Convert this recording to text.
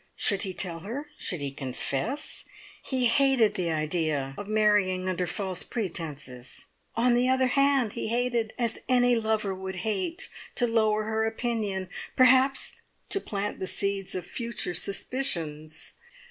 Should he tell her should he confess? He hated the idea of marrying under false pretences. On the other hand he hated, as any lover would hate, to lower her opinion, perhaps to plant the seeds of future suspicions.